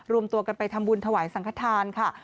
รวมตัวกันไปทำบุญถวายสังขทานค่ะ